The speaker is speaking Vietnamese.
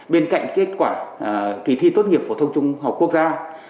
bên cạnh kết quả kỳ thi tốt nghiệp phổ thông trung học quốc gia